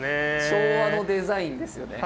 昭和のデザインですよね。